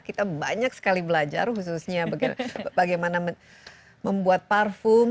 kita banyak sekali belajar khususnya bagaimana membuat parfum